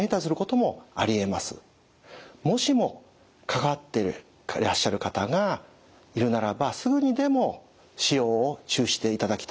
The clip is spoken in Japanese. もしも関わってらっしゃる方がいるならばすぐにでも使用を中止していただきたいと思います。